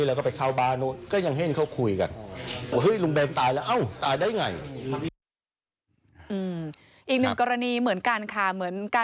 อีกหนึ่งกรณีเหมือนกันค่ะ